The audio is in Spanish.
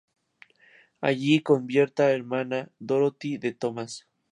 Allí convierta hermana Dorothy de Thomas.